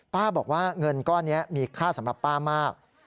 บอกว่าเงินก้อนนี้มีค่าสำหรับป้ามาก